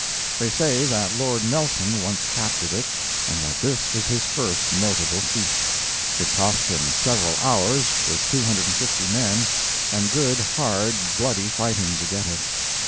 They say that Lord Nelson once captured it and that this was his first notable feat. It cost him several hours, with 250 men, and good, hard, bloody fighting, to get it.